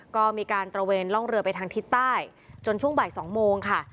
ก็มีการตระเวนร่องเรือไปทางทิศใต้จนช่วงบ่าย๒โมงค่ะ